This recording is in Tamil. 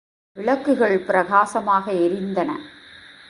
விளக்குகள் பிரகாசமாக எரிந்தன.